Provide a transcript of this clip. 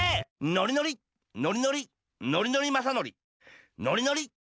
ノリノリノリノリノリノリマサノリ。